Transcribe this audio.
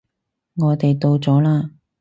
我哋到咗喇